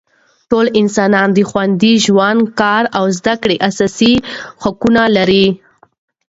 ټول انسانان د خوندي ژوند، کار او زده کړې اساسي حقونه لري.